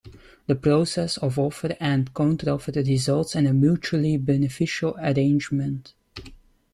The process of offer and counteroffer results in a mutually beneficial arrangement.